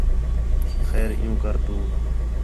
خیر عِیّوں کر تو